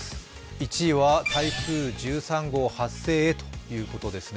１位は台風１３号発生へということですね。